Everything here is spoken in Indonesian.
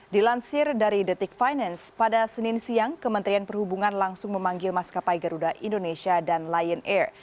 dilansir dari detik finance pada senin siang kementerian perhubungan langsung memanggil maskapai garuda indonesia dan lion air